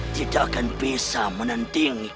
tidak akan bisa menandingi kesekianmu